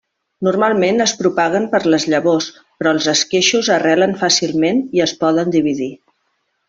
Normalment es propaguen per les llavors però els esqueixos arrelen fàcilment i es poden dividir.